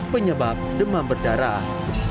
penyebab demam berdarah